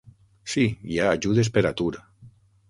Sí, hi ha ajudes per atur.